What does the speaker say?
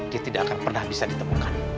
dia tidak akan pernah bisa ditemukan